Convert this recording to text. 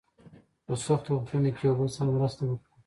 په سختو وختونو کې یو بل سره مرسته وکړئ.